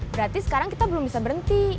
berarti sekarang kita belum bisa berhenti